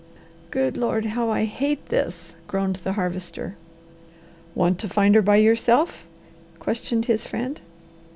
"Good Lord! How I hate this," groaned the Harvester. "Want to find her by yourself?" questioned his friend.